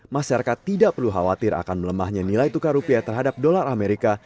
masyarakat tidak perlu khawatir akan melemahnya nilai tukar rupiah terhadap dolar amerika